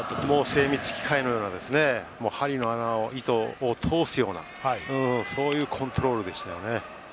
精密機械のような針の穴に糸を通すようなそういうコントロールでしたね。